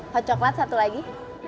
kok coklat satu lagi